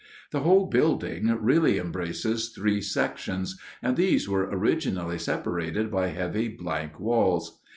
The whole building really embraces three sections, and these were originally separated by heavy blank walls.